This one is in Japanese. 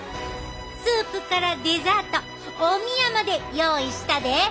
スープからデザートおみやまで用意したで。